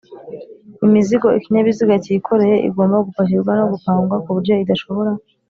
Imizigo ikinyabiziga cyikoreye igomba gupakirwa no gupangwa ku buryo idashobora